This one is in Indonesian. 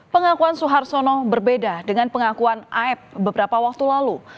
pengakuan suhartono berbeda dengan pengakuan aep beberapa waktu lalu